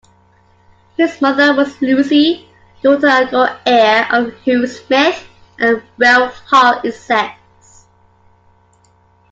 His mother was Lucy, daughter and co-heir of Hugh Smith of Weald Hall, Essex.